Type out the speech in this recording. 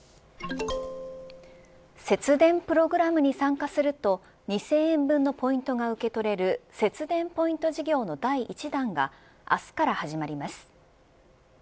節電プログラムに参加すると２０００円分のポイントが受け取れる節電ポイント事業の第１弾が明日から始まります。